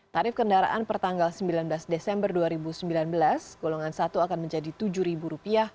tarif kendaraan pertanggal sembilan belas desember dua ribu sembilan belas golongan satu akan menjadi rp tujuh